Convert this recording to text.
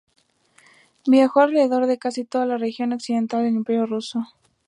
Viajó alrededor de casi toda la región occidental del Imperio ruso.